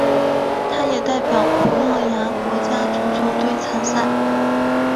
他也代表葡萄牙国家足球队参赛。